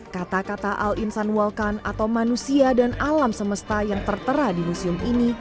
kata kata al insan walkan atau manusia dan alam semesta yang tertera di museum ini